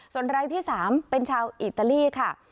ส่วนรายที่๓เป็นชาวอิตาลีค่ะ